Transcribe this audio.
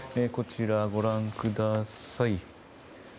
こちら、ご覧ください。